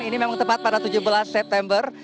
ini memang tepat pada tujuh belas september